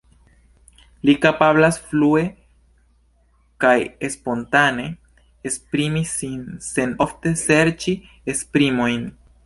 Li kapablas flue kaj spontane esprimi sin, sen ofte serĉi esprimojn.